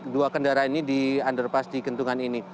dua kendaraan ini di underpass di kentungan ini